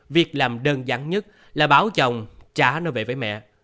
việc làm đơn giản nhất là báo chồng trả nó về với mẹ